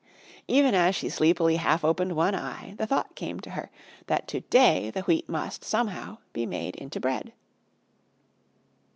Even as she sleepily half opened one eye, the thought came to her that to day that Wheat must, somehow, be made into bread.